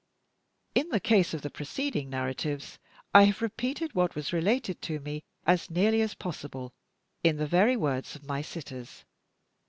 In the case of the preceding narratives, I have repeated what was related to me, as nearly as possible in the very words of my sitters.